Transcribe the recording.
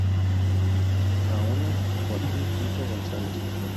Gaona y Joaquín V. González.